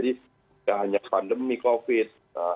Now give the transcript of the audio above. tidak hanya pandemi covid